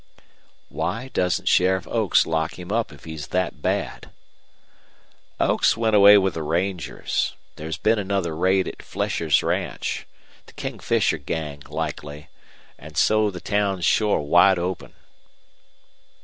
"Why doesn't Sheriff Oaks lock him up if he's that bad?" "Oaks went away with the rangers. There's been another raid at Flesher's ranch. The King Fisher gang, likely. An' so the town's shore wide open."